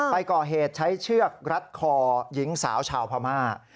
ไปก่อเหตุใช้เชือกรัดคอหญิงสาวชาวพม่า